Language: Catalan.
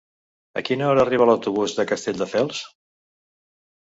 A quina hora arriba l'autobús de Castelldefels?